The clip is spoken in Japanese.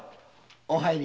お入り。